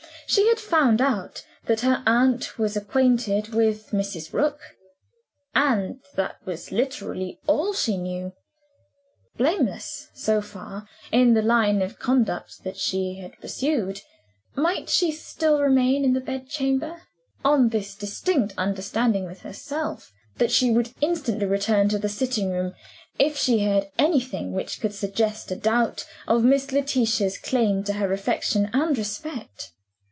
She had found out that her aunt was acquainted with Mrs. Rook, and that was literally all she knew. Blameless, so far, in the line of conduct that she had pursued, might she still remain in the bed chamber on this distinct understanding with herself: that she would instantly return to the sitting room if she heard anything which could suggest a doubt of Miss Letitia's claim to her affection and respect?